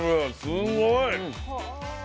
すごい。